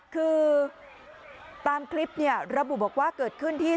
คือตามคลิปเนี่ยระบุบอกว่าเกิดขึ้นที่